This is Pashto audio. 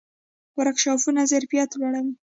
ورکشاپونه ظرفیت لوړوي